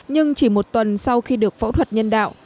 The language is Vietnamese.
nhưng chỉ một tuần sau khi được phẫu thuật nhân đạo